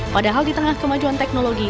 padahal di tengah kemajuan teknologi